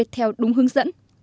theo đúng hướng dẫn